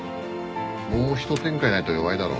もうひと展開ないと弱いだろ。